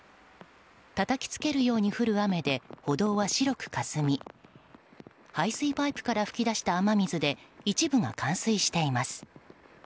たたきつけるように降る雨で歩道は白くかすみ排水パイプから噴き出した雨水で一部が冠水しています。